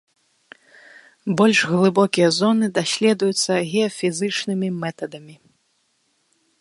Больш глыбокія зоны даследуюцца геафізічнымі метадамі.